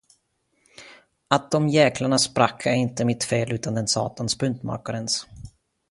Att de djäklarna sprack är inte mitt fel utan den satans buntmakarens.